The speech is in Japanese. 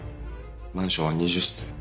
マンションは２０室。